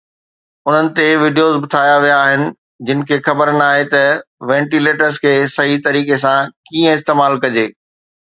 انهن تي وڊيوز به ٺاهيا ويا آهن جن کي خبر ناهي ته وينٽيليٽر کي صحيح طريقي سان ڪيئن استعمال ڪجي